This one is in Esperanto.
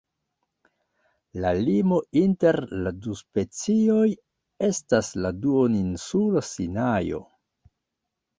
La limo inter la du specioj estas la duoninsulo Sinajo.